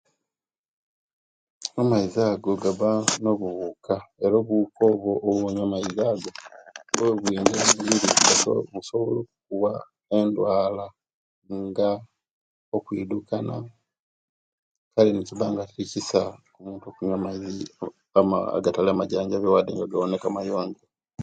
Amaizi ago gaba no obuwuka era obuwuka obwo owonya amaizi ago owebuyingira mumubiri buso basobola okuwa endwala nga okwidukana kale nekibanga tekisa omuntu okunya amaizi ama agatali amajanjabye wade nga gawoneka mayonjo